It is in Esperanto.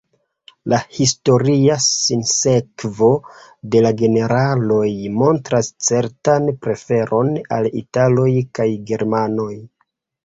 La historia sinsekvo de la generaloj montras certan preferon al italoj kaj germanoj.